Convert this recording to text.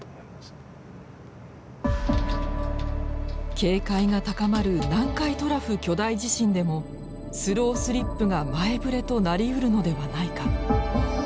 警戒が高まる南海トラフ巨大地震でもスロースリップが前ぶれとなりうるのではないか。